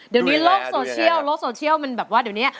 เดี๋ยวนี้โลกโซเชียลโลกโซเชียลมันแบบว่าเดี๋ยวนี้